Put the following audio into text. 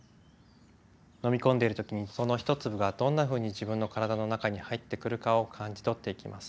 飲み込んでる時にその一粒がどんなふうに自分の体の中に入ってくるかを感じ取っていきます。